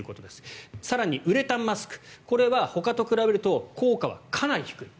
更にウレタンマスクこれはほかと比べると効果はかなり低い。